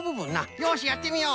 よしやってみよう。